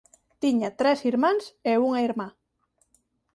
Tiña tres irmáns e unha irmá.